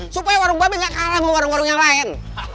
supaya warung mbak be gak kalah sama warung warung yang lain